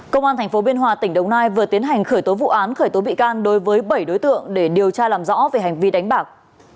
công an tp biên hòa tỉnh đồng nai vừa tiến hành khởi tố vụ án khởi tố bị can đối với bảy đối tượng để điều tra làm rõ về hành vi đánh bạc